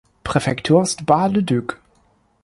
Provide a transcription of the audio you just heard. Präfektur ist Bar-le-Duc.